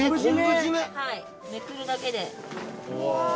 めくるだけで。